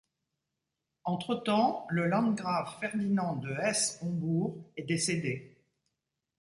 Entretemps le Landgraf Ferdinand de Hesse-Homburg est décédé.